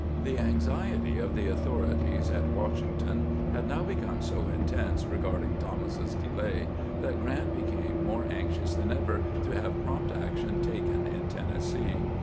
The anxiety of the authorities at Washington had now become so intense regarding Thomas's delay that Grant became more anxious than ever to have prompt action taken in Tennessee.